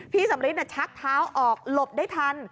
สำริทชักเท้าออกหลบได้ทัน